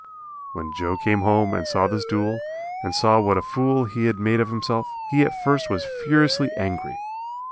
When Joe came home and saw this duel and saw what a fool he had made of himself, he at first was furiously angry.